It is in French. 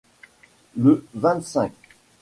Le vingt-cinq